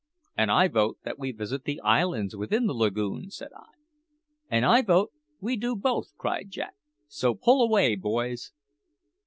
"And I vote that we visit the islands within the lagoon," said I. "And I vote we do both," cried Jack; "so pull away, boys!"